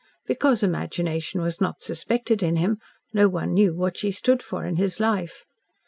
Because imagination was not suspected in him, no one knew what she stood for in his life.